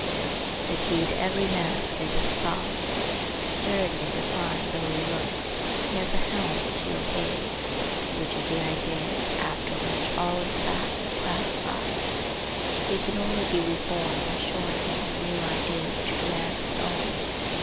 The key to every man is his thought. Sturdy and defying though he look, he has a helm which he obeys, which is the idea after which all his facts are classified. He can only be reformed by showing him a new idea which commands his own.